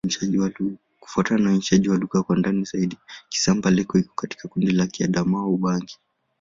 Kufuatana na uainishaji wa lugha kwa ndani zaidi, Kisamba-Leko iko katika kundi la Kiadamawa-Ubangi.